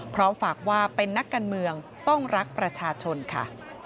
พร้อมฝากว่าเป็นนักการเมืองต้องรักประชาชนค่ะ